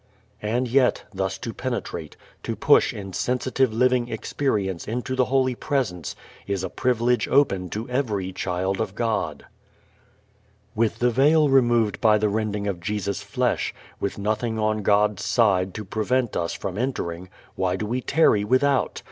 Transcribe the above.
And yet, thus to penetrate, to push in sensitive living experience into the holy Presence, is a privilege open to every child of God. With the veil removed by the rending of Jesus' flesh, with nothing on God's side to prevent us from entering, why do we tarry without?